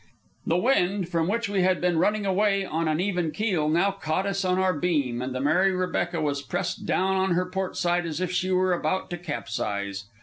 The wind, from which we had been running away on an even keel, now caught us on our beam, and the Mary Rebecca was pressed down on her port side as if she were about to capsize.